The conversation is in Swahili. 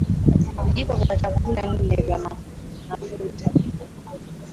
Vijiko vya chakula nne vya nafuta